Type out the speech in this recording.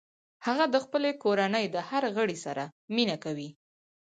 هغه د خپلې کورنۍ د هر غړي سره مینه کوي